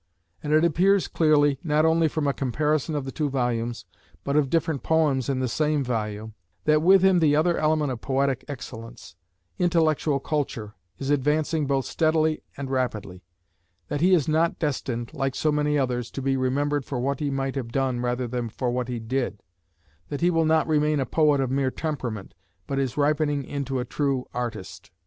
And it appears clearly, not only from a comparison of the two volumes, but of different poems in the same volume, that with him the other element of poetic excellence, intellectual culture, is advancing both steadily and rapidly; that he is not destined, like so many others, to be remembered for what he might have done rather than for what he did; that he will not remain a poet of mere temperament, but is ripening into a true artist....